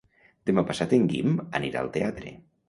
Demà passat en Guim anirà al teatre.